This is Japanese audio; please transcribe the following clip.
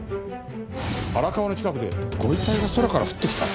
荒川の近くでご遺体が空から降ってきた！？